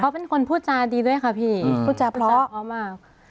เขาเป็นคนพูดจาดีด้วยค่ะพี่พูดจาเพราะมาก